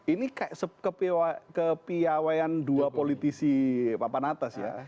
ini kayak kepiawaian dua politisi papanatas ya